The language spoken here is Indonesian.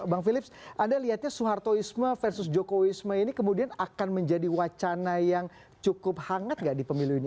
bang philips anda lihatnya soehartoisme versus jokowisme ini kemudian akan menjadi wacana yang cukup hangat gak di pemilu ini